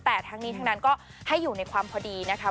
แต่ทั้งนี้ทั้งนั้นก็ให้อยู่ในความพอดีนะคะ